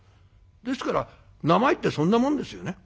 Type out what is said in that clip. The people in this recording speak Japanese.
ですから名前ってそんなもんですよね。